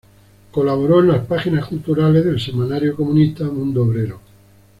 Colaboró en las páginas culturales del semanario comunista, "Mundo Obrero".